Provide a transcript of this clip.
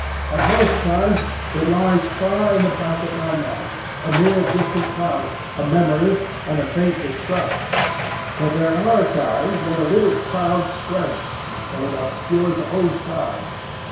At most times it lies far in the back of my mind, a mere distant cloud, a memory, and a faint distrust; but there are times when the little cloud spreads until it obscures the whole sky.